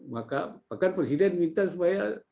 maka bahkan presiden minta supaya